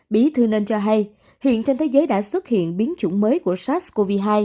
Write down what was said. bí thư nên cho hay hiện trên thế giới đã xuất hiện biến chủng mới của sars cov hai